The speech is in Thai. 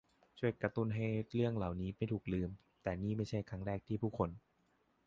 ช่วยกระตุ้นให้เรื่องเล่าไม่ถูกลืม แต่นี่ไม่ใช่ครั้งแรกที่ผู้คน